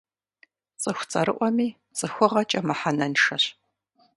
Цӏыху цӏэрыӏуэми цӏыхугъэкӏэ мыхьэнэншэщ.